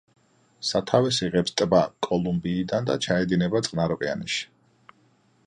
სათავეს იღებს ტბა კოლუმბიიდან და ჩაედინება წყნარი ოკეანეში.